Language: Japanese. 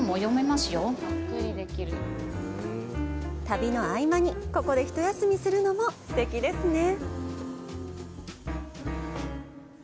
旅の合間にここで一休みするのもすてきですね！